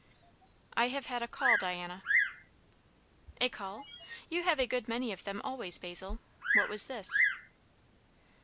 "I have had a call, Diana." "A call? You have a good many of them always, Basil. What was this?"